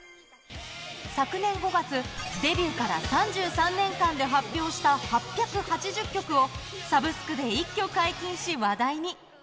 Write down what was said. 昨年５月、デビューから３３年間で発表した８８０曲を、サブスクで一挙解禁し話題に。